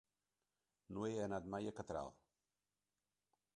No he anat mai a Catral.